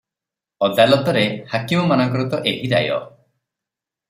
ଅଦାଲତରେ ହାକିମମାନଙ୍କର ତ ଏହି ରାୟ ।